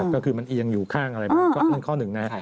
ก็คือมันเอียงอยู่ข้างอะไรมันก็นั่นข้อหนึ่งนะ